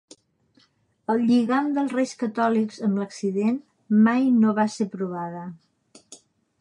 El lligam dels reis catòlics amb l'accident mai no va ser provada.